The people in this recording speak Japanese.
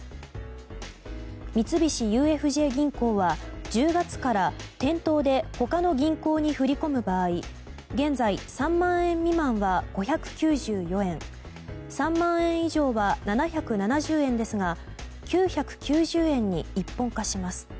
三菱ＵＦＪ銀行は１０月から店頭で他の銀行に振り込む場合現在、３万円未満は５９４円３万円以上は７７０円ですが９９０円に一本化します。